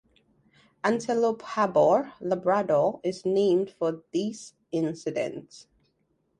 Antelope Harbour, Labrador, is named for this incident.